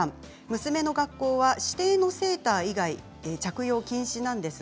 娘の学校は指定のセーター以外着用禁止です。